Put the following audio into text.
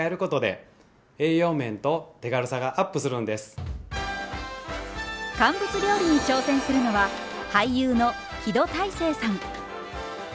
肉や魚など乾物料理に挑戦するのは俳優の木戸大聖さん。